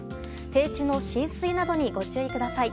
低地の浸水などにご注意ください。